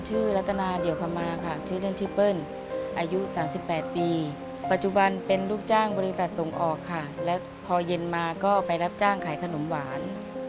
รัตนาเดี่ยวคำมาค่ะชื่อเล่นชื่อเปิ้ลอายุ๓๘ปีปัจจุบันเป็นลูกจ้างบริษัทส่งออกค่ะแล้วพอเย็นมาก็ไปรับจ้างขายขนมหวาน